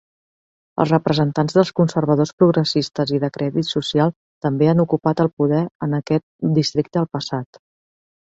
Els representants dels Conservadors Progressistes i de Credit Social també han ocupat el poder en aquest districte al passat.